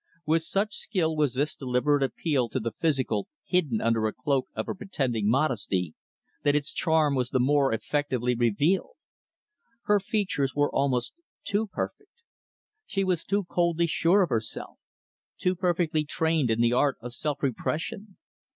With such skill was this deliberate appeal to the physical hidden under a cloak of a pretending modesty that its charm was the more effectively revealed. Her features were almost too perfect. She was too coldly sure of herself too perfectly trained in the art of self repression.